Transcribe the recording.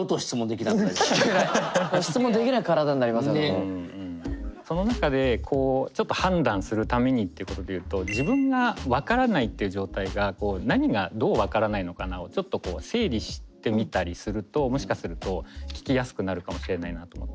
もうその中でちょっと判断するためにっていうことで言うと自分が分からないっていう状態が何がどう分からないのかなをちょっと整理してみたりするともしかすると聞きやすくなるかもしれないなと思って。